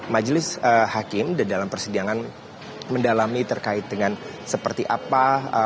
majelis hakim dalam persidangan mendalami terkait dengan seperti apa